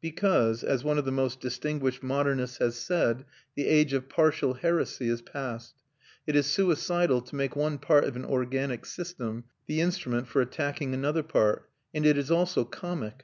Because, as one of the most distinguished modernists has said, the age of partial heresy is past. It is suicidal to make one part of an organic system the instrument for attacking another part; and it is also comic.